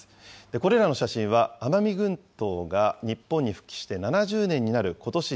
これらの写真は奄美群島が日本に復帰して７０年になることし